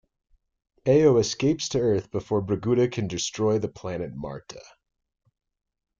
Aio escapes to Earth before Braguda can destroy the planet Marte.